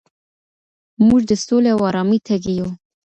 موږ د سولې او ارامۍ تږي یو.